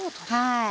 はい。